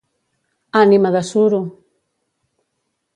Ànima de suro!